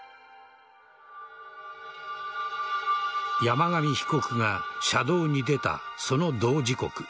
山上被告が車道に出たその同時刻